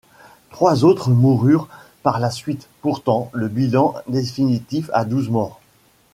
Trois autres moururent par la suite, portant le bilan définitif à douze morts.